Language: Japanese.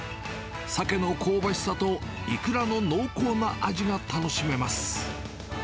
サケの香ばしさとイクラの濃厚な味が楽しめます。